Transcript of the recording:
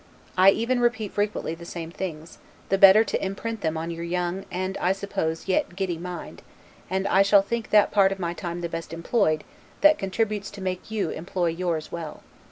I even repeat frequently the same things, the better to imprint them on your young, and, I suppose, yet giddy mind; and I shall think that part of my time the best employed, that contributes to make you employ yours well.